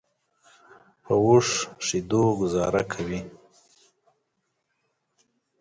په اوښ شیدو ګوزاره کوي.